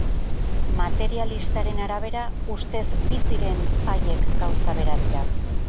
Materialistaren arabera, ustez bi ziren haiek gauza bera dira.